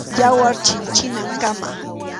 Yawar chilchinankama.